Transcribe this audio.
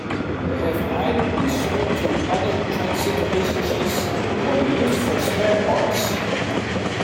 They have either been sold to other transit agencies or used for spare parts.